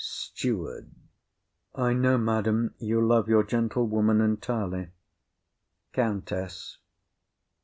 STEWARD. I know, madam, you love your gentlewoman entirely. COUNTESS.